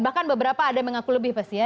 bahkan beberapa ada yang mengaku lebih pasti ya